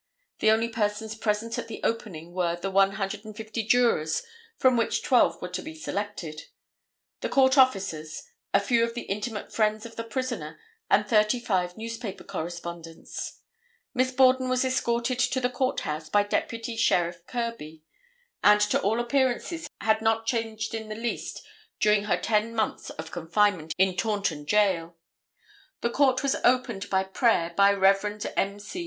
The only persons present at the opening were the 150 jurors from which twelve were to be selected, the court officers, a few of the intimate friends of the prisoner and thirty five newspaper correspondents. Miss Borden was escorted to the court house by Deputy Sheriff Kirby and to all appearances had not changed in the least during her ten months of confinement in Taunton jail. The court was opened by prayer by Rev. M. C.